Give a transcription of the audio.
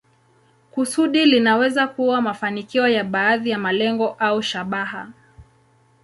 Kusudi linaweza kuwa mafanikio ya baadhi ya malengo au shabaha.